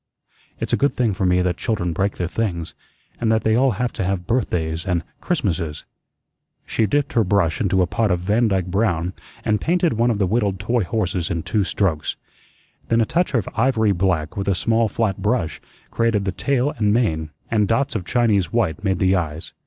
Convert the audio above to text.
It's a good thing for me that children break their things, and that they all have to have birthdays and Christmases." She dipped her brush into a pot of Vandyke brown and painted one of the whittled toy horses in two strokes. Then a touch of ivory black with a small flat brush created the tail and mane, and dots of Chinese white made the eyes.